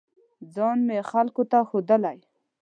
ځان مې خلکو ته ښودلی